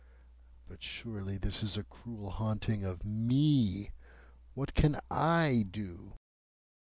But surely this is a cruel haunting of me. What can I do?"